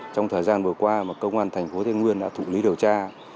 trong thời gian vừa qua mà công an thành phố thái nguyên đã thụ lý điều tra